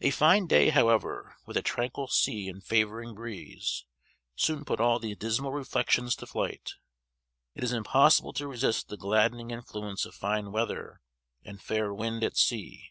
A fine day, however, with a tranquil sea and favoring breeze, soon put all these dismal reflections to flight. It is impossible to resist the gladdening influence of fine weather and fair wind at sea.